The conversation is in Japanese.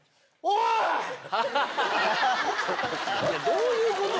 どういうこと？